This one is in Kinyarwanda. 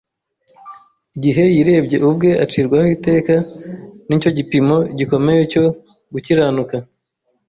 igihe yirebye ubwe acirwaho iteka n’icyo gipimo gikomeye cyo gukiranuka,